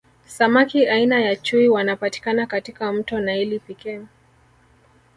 samaki aina ya chui wanapatikana katika mto naili pekee